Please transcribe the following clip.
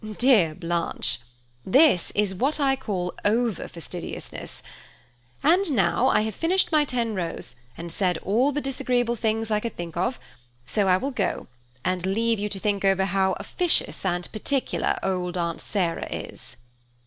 Dear Blanche, this is what I call over fastidiousness; and now I have finished my ten rows, and said all the disagreeable things I could think of, so I will go, and leave you to think how officious and particular old Aunt Sarah is."